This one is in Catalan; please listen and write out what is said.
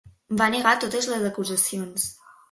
Va negar totes les acusacions.